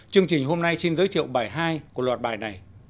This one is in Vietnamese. chương trình hôm nay xin giới thiệu bài hai của loạt bài này